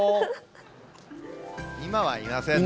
今はいませんね。